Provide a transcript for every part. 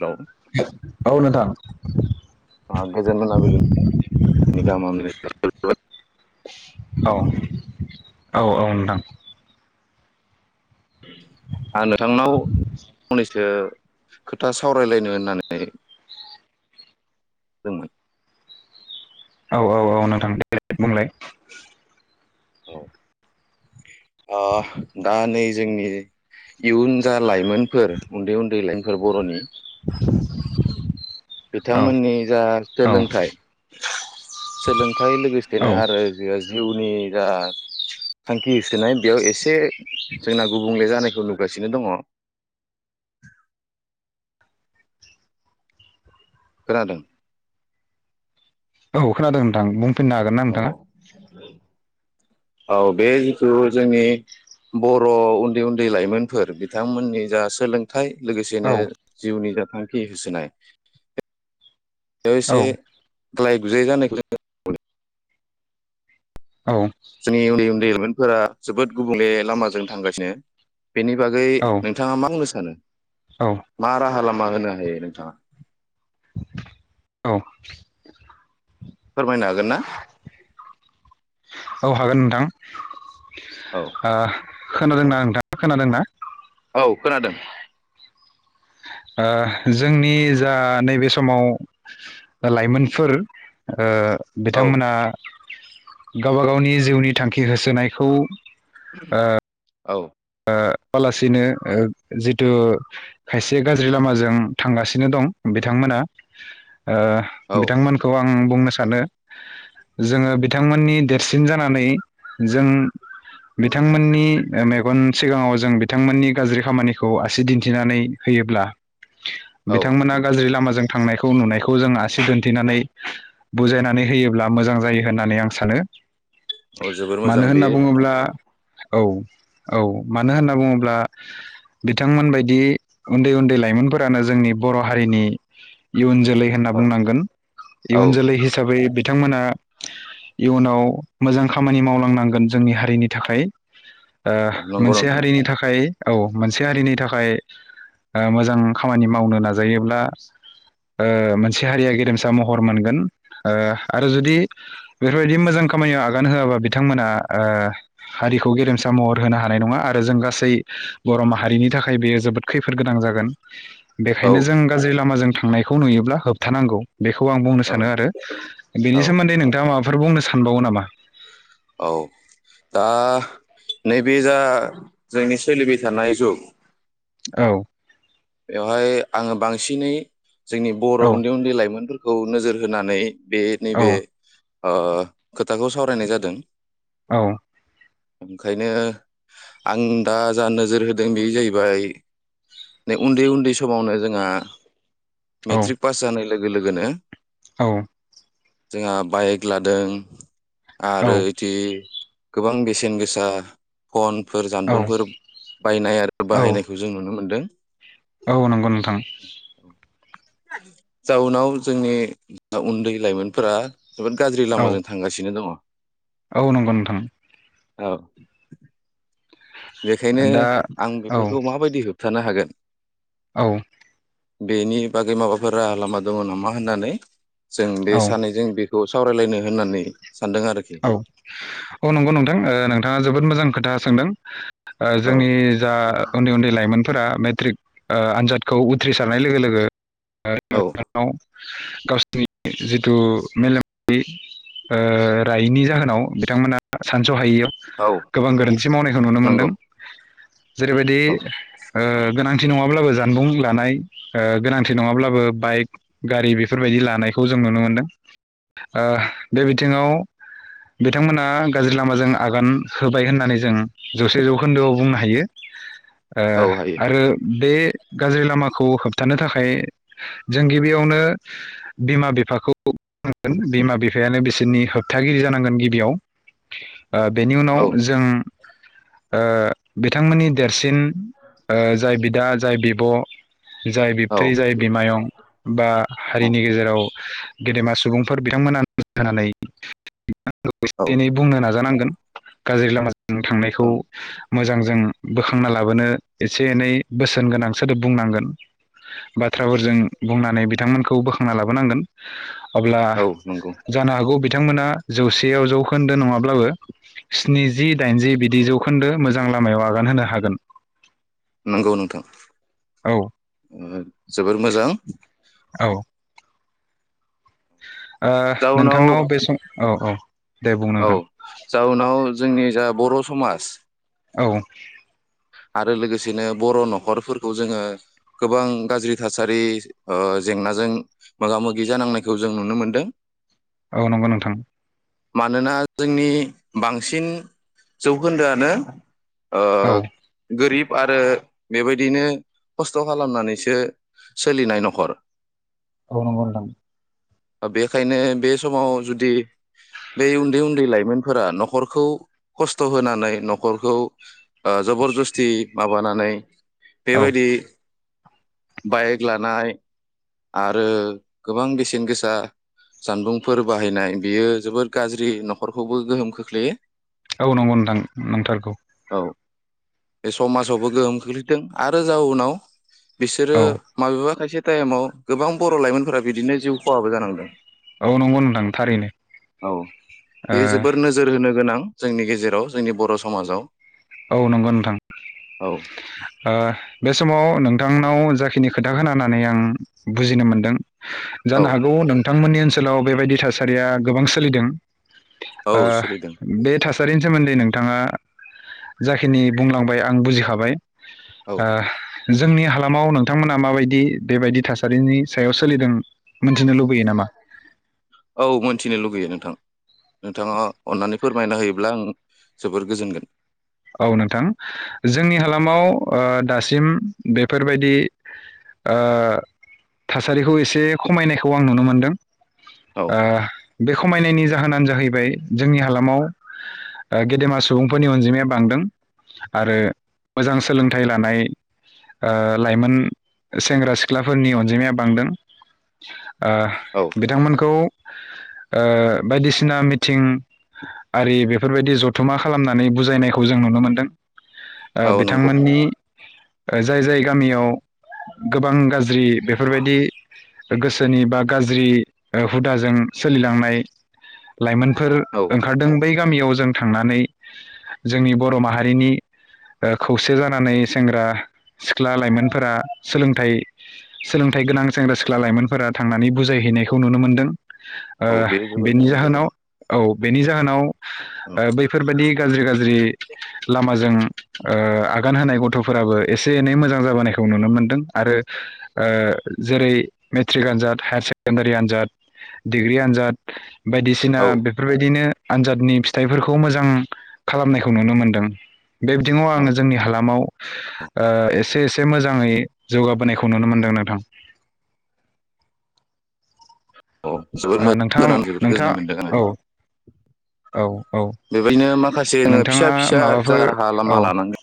राव औ नोंथां। गोजोन मोनाबिलिनि [unintelligible] औ औ औ नोंथां। आं नोंथांनाव फंनैसो खोथा सावरायलायनो होन्नानै जोंमोन औ औ औ नोंथां दे बुंलाय। औ ओ दा नै जोंनि इयुन जा लाइमोनफोर उन्दै उन्दै लाइमोनफोर बर'नि औ बिथांमोन्नि जा औ सोलोंथाय सोलोंथाय औ लोगोसेनो आरो जिउनि जा थांखि होसोनाय बेयाव एसे जोंना गुबुंले जानायखौ नुगासिनो दङ। खोनादोंं। औ खोनादों नोंथां बुं फिन्नो हागोन ना नोंथाङा? औ औ बे जिथु जोंनि बर' उन्दै उन्दै लाइमोनफोर बिथांमोननि जा सोलों थाय औ लोगोसेनो जिउनि जा थांखि होसोनाय बेयाव औ एसे ग्लाय गुजायै जानायखौ जों [unintelligible] जोंनि‌ उन्दै उन्दैमोन फोरा जोबोद गुबुंले लामाजों थांगासिनो। बेनि बागै औ नोंथाङा मा बुंनो सानो? मारा राहा लामा होनो हायो नोंथाङा? औ। फोरमायनो हागोन ना? औ हागोन नोंथां। औ ओ खोनादोंना? नोंथांङा खोनादोंना? औ खोनादों। ओ जोंनि जा नैबे समाव लाइमोनफोर ओ औ बिथांमोना गावबा गावनि जिउनि थांखि होसोनायखौ औ ओ होसोआ लासिनो जिथु खायसे गाज्रि लामाजों थांगासिनो दं बिथांमोना ओ औ बिथांमोनखौ आं आं बुंनो सानो जोंङो बिथांमोननि देरसिन जानानै जों बिथांमोननि मे-मेगन सिगाङाव जों बिथांमोननि गाज्रि खामानिखौ आसि दिन्थिनानै होयोब्ला औ बिथांमोना गाज्रि लामाजों थांनायखौ नुनायखौ जों आसि दोनथिनानै बुजायनानै होयोब्ला मोजां जायो होननानै आं सानो। औ जोबोर मोजां मानो होनना बेयो बुंङोब्ला औ औ मानो होनना बुङोब्ला बिथांमोन बायदि उन्दै उन्दै लायमोनफोरानो जोंनि बर'हारिनि इयुन जो लै होनना औ बुंनांगोन औ इयुन जोलै हिसाबै बिथांमोना इयुनाव मोजां खामानि मावलांनांगोन जोंनि हारिनि थाखाय ओ औ नंगौ मोनसे नोंथां हारिनि थाखाय औ मोनसे हारिनि थाखाय ओ मोजां खामानि मावनो नाजायोब्ला ओ मोनसे हारिया गेरेमसा महर मोनगोन ओ आरो जुदि बेफोरबायदि मोजां खामानि आ गान होआबा बिथांमोना हारिखौ गेरेमसा महर होनो हा नाय नङा आरो जों गासै बर'माहारिनि थाखाय बेयो जोबोद खैफोद गोनां जागोन। औ बेखायनो जों गाज्रि लामाजों थांनायखौ नुयोब्ला होबथानांगौ। बेखौ आं बुंनो औ सानो आरो बेनि औ सोमोन्दै नोंथाङा माबा बुंनो सानबावो नामा। औ दा नैबे जा जोंनि सोलिबाय थानाय जुग औ बेवहाय आंङो बांसिनै जोंनि बर' औ उन्दै उन्दै लायमोनफोर खौ नोजोर होनानै बे नै औ बे खोथाखौ सावरायनाय जादों औ ओंखायनो आं दा जा नोजोर होदों बे जाहैबाय उन्दै उन्दै समावनो जोंहा मेट्रिक पास जानाय लोगो लोगोनो औ जोंहा बाइक लादों औ आरो इदि गोबां बेसेन गोसा फन फोर जानबुंफोर बायनाय आरो औ बाहायनायखौ जों नुनो मोन्दों औ नंगौ नोंथां जाउनाव जोंनि उन्दै लाइमोनफोरा जोबोद गाज्रि औ लामाजों थांगासिनो दङ। नंगौ नोंथां औ बेखायनो दा आं औ बेफोरखौ माबायदि होबथानो हागोन औ बेनि बागै माबाफोर राहा लामा दङ नामा होननानै जों बे औ सानैजों बेखौ सावरायलायनो होननानै सानदों आरोखि औ औ नंगौ नोंथां नोंथाङा जोबोद मोजां खोथा सोंदों ओ औ जोंनि जा उन्दै उन्दै लाइमोन फोरा मेट्रिक ओ आनजादखौ उथ्रिसारनाय लोगो लोगो औ [unintelligible] गावसिरनि जिथु मेलेम रायनि जाहोनाव बिथांमोना सानसहायैयाव औ गोबां गोरोन्थि मावनायखौ नुनो मोनदों नंगौ जेरैबायदि औ ओ गोनांथि नङाब्लाबो जा नबुं लानाय गोनांथि नङाब्लाबो बाइक गारि बेफोरबायदि लानायखौ जों नुनो मोनदों बे बिथिङाव बिथांमोना गाज्रि लामाजों आगान होबाय होननानै जों जौसे जौखोन्दोआव बुंनो हायो औ हायो आरो बे गाज्रि लामाखौ होबथानो थाखाय जों गिबियावनो बिमा बिफाखौन बिमा बिफायानो बिसोरनि होब थागिरि जानांगोन गिबियाव बेनि उनाव औ जों ओ बिथांमोननि देरसिन जाय ओ बि दा जाय बिब' जाय औ बिबथै जाय बिमायं बा औ हारिनि गेजेराव गेदेमा सु सुबुंफोर बिथांमोना [unintelligible] होनानै औ लोगोसे [unintelligible] बुंनो नाजानांगोन। गाज्रि लामाजों थांनायखौ ओं मोजांजों बोखांना लाबोनो एसे एनै बोसोन गोनांसो सोदाब बुंनांगोन। बाथ्राफोरजों बुंनानै बिथांमोनखौ खौ बोखांना लाबोनांगोन। अब्ला औ नंगौ जानो हागौ बिथांमोना जौसेयाव जौखोन्दो नङाब्लाबो स्निजि दाइनजि बिदि जौखोन्दो मोजां लामायाव आगान होनो हागोन। नंगौ नोंथां। औ जोबोर मोजां। औ ओ जाउनाव नोंथांनाव बे सम औ औ दे बुं औ‌ नोंथां जाउनाव जोंनि जा बर' समाज औ आरो लोगोसेनो बर' नखरफोरखौ जोङो गोबां गाज्रि थासारि जेंनाजों मोगा मोगि जानांनायखौ जों नुनो मोनदों। औ नंगौ नोंथां। मानोना जोंनि बांसिन जौखोन्दोआनो ओ औ गोरिब आरो बेबायदिनो खस्थ खालामनानैसो सोलिनाय न'खर औ नंगौ नोंथां। बेखायनो बे समाव जुदि बे उन्दै उन्दै लाइमोनफोरा नखरखौ खस्थ होनानै न'खरखौ जबरजस थि माबानानै औ बेबायदि बाइक लानाय आरो गोबां बेसेन गोसा जानबुंफोर बाहायनाय बियो जोबोद गाज्रि न'खरखौबो गोहोम खोख्लैयो। औ नंगौ नोंथां नंथारगौ। औ बे समाजावबो गोहोम खोख्लैदों आरो जाउनाव बिसोरो औ माबेबा खायसे टाइमाव गोबां बर' लाइमोनफोरा बिदिनो जिउ खहाबो जानांदों। औ नंगौ नोंथां थारैनो। औ बे जोबोर नोजोर होनो गोनां जोंनि गेजेराव जोंनि बर' समाजाव औ नंगौ नों थां औ ओ बे समाव नोंथांनाव जाखिनि खोथा खोनानानै आं बुजिनो मोनदों जानो हागौ नोंथांमोननि ओनसोलाव बेबायदि था सारिया गोबां सोलिदों औ ओ सोलिदों बे थासा रिनि सोमोन्दै नोंथाङा जाखिनि बुंलांबाय आं बुजिखाबाय औ अह जोंनि हालामाव नोंथांमोना माबायदि बेबायदि थासारिनि सायाव सोलिदों मोनथिनो लुबैयो नामा औ मोनथिनो लुगैयो नोंथां। नोंथाङा अन्नानै फोरमायना होयोब्लां जोबोर गोजोनगोन। औ नोंथां जोंनि हालामाव ओ दासिम बेफोरबायदि ओ थासारिखौ एसे खमायनायखौ आं नुनो मोनदों। औ आह बे खमायनायनि जाहोनानो जाहैबाय जोंनि हालामाव गेदेमा सुबुंफोरनि अनजिमाया बांदों आरो मोजां सोलोंथाइ लानाय ओ लाइमोन सेंग्रा सिख्लाफोरनि अनजिमाया बांदों अह औ बिथांमोनखौ अ बायदिसिना मिथिं आरि बेफोरबायदि जथुमा खालामनानै बुजायनाय खौ जों नुनो मोनदों। ओ औ नंगौ बिथांमोननि जाय जाय गामियाव गोबां गाज्रि बेफोरबायदि गोसोनि बा गाज्रि ओ हुदाजों सोलिलांनाय लाइमोनफोर औ ओंखारदों बै गामियाव जों थांनानै जोंनि बर' माहारिनि अ खौसे जानानै सेंग्रा सिख्ला लाइमोनफोरा सोलोंथाइ सोलोंथाइ गोनां सेंग्रा सिख्ला लाइमोनफोरा थांनानै बुजायहैनायखौ नुनो मोनदों। ओ औ बे जोबोर बेनि मोजां जादों जाहोनाव औ बेनि जाहोनाव ओ बैफोरबायदि गाज्रि औ गाज्रि लामाजों अ आगान होनाय गथ' फोराबो एसे एनै मोजां जाबोनायखौ नुनो मोनदों आरो ओ जेरै मेट्रिक आनजाद, हायार सेकेण्डारि आनजाद, डिग्रि आनजाद बायदिसिना औ बेफोरबायदिनो आनजादनि फिथाइफोरखौ मोजां खालामनायखौ नुनो मोनदों बे बिथिङाव आङो जोंनि हालामाव ओ एसे एसे मोजाङै जौगाबोनायखौ नुनो मोनदों नोंथां। अ ओ जोबोद नोंथाङा [unintelligible] जोबोद नोंथाङा गोजोननाय मोनदों गोनां औ औ औ बेबायदिनो माखासे जोङो नोंथाङा फिसा फिसा जा माबाफोर राहा औ लामा लानाङो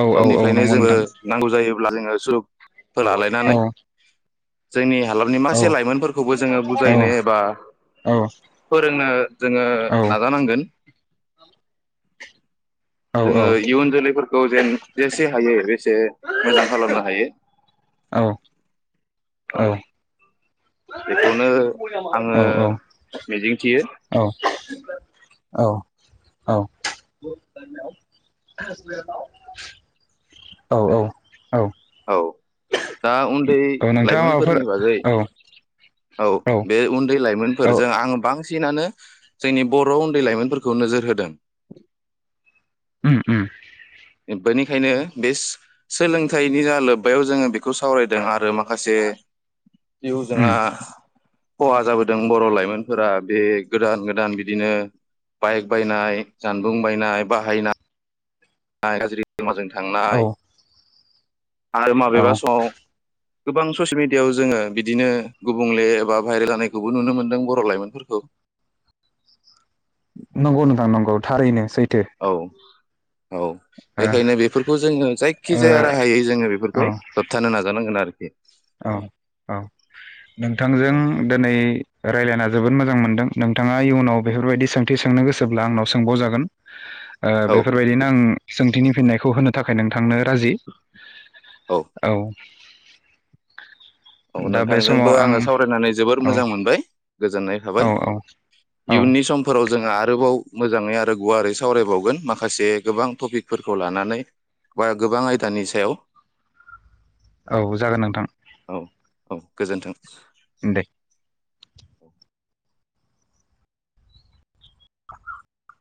औ औ औ उनिफ्रायनो नंगौ जोबो नोंथां नांगौ जायोब्ला जोङो। जब- फोला लालायनानै औ जोंनि हालामनि औ मासे लाइमोनफोरखौबो जोङो औ बुजायनो एबा औ फोरोंनो जोङो औ नाजानांगोन औ जोङो इयुन जोलैफोरखौ जेन जेसे हायो ऐस जे मोजां खालामनो हायो औ औ बेखौनो आङो मिजिं थियो औ औ औ औ दा उन दै औ नोंथाङा माबाफोर लाइमोनफोरनि बागै औ औ बे उन्दै औ लाइमोनफोरजों आङो बांसिनानो जोंनि बर उन्दै लाइमोनफोरखौ नोजोर होदों। उम उम बेनिखायनो बे सोलोंथाइनि जा लोब्बायाव जोङो बेखौ सावरायदों आरो मा माखासे जिउ जोंहा उम खहा जाबोदों बर लाइमोनफोरा बे गोदान गोदान बिदिनो बाइक बायनाय जानबुं बायनाय बाहायनाय [unintelligible] गाज्रि माजों औ थांनाय आरो औ माबेबा समाव गोबां ससियेल मिडियायाव जोङो बिदिनो गुबुंले एबा भाइरेल जानायखौबो नुनो मोनदों बर लाइमोनफोरखौ। नंगौ नोंथां नंगौ थारैनो सै औ औ ओ बेखायनो बेफोरखौ जोङो जायखिजाया ओ राहायै जोङो बेफोरखौ होबथानो नाजानांगोन आरो। [inaudible] औ औ नोंथांजों औ दिनै रायलायना जोबोद मोजां मोनदों नोंथाङा इयुनाव बेफोरबायदि सोंथि सोंनो गोसोब्ला आंनाव सोंबावजागोन ओ बेफोरबायदिनो आं सोंथिनि फिननायखौ होनो थाखाय नोंथांनो राजि औ औ दा बे नोंथांजोंबो समाव आं आङो सावरायनानै जोबोर औ मोजां मोनबाय गोजोननाय थाबाय औ औ इयुननि समफोर आव जोङो आरोबाव मोजाङै आरो गुवारै सावरायबावगोन माखासे गोबां टपिकफोरखौ लानानै बा गोबां आयदानि सायाव औ जागोन नोंथां औ औ गोजोन्थों। ओम दे [inaudible]